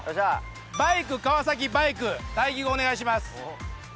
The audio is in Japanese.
バイク川崎バイク、対義語、お願いします。